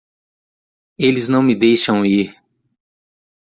Eles não me deixam ir!